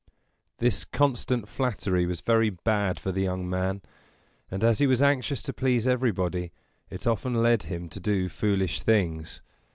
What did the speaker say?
This constant flattery was very bad for the young man; and, as he was anxious to please everybody, it often led him to do foolish things.